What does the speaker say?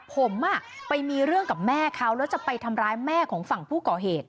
ผมไปมีเรื่องกับแม่เขาแล้วจะไปทำร้ายแม่ของฝั่งผู้ก่อเหตุ